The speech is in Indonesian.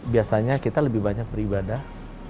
biasanya kita lebih banyak beribadah